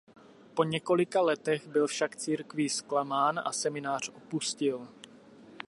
Po několika letech byl však církví zklamán a seminář opustil.